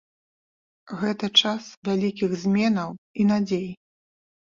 Гэта час вялікіх зменаў і надзей.